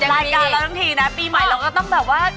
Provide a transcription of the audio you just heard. รายการเราทั้งทีนะปีใหม่เราก็ต้องแบบว่า